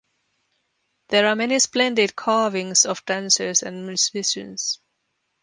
There are many splendid carvings of dancers and musicians.